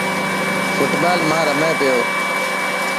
فوٽ بال مان رمي پيو.